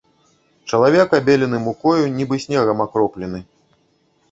Чалавек абелены мукою, нібы снегам акроплены.